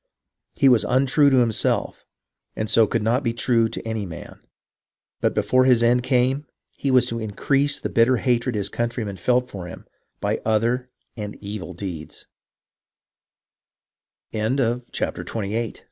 He was untrue to himself, and so could not be true to any man. But before his end came, he was to increase the bitter hatred his countrymen felt for him by other an